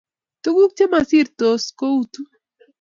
tukuk chemo sirtos koutu